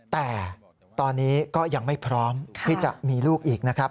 แต่ตอนนี้ก็ยังไม่พร้อมที่จะมีลูกอีกนะครับ